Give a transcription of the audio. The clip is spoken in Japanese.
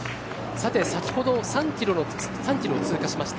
先ほど３キロを通過しました。